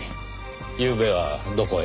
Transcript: ゆうべはどこへ？